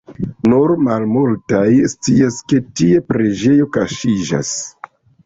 Nur malmultaj scias, ke tie preĝejo kaŝiĝas.